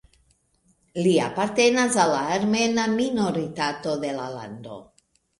Li apartenas al la armena minoritato de la lando.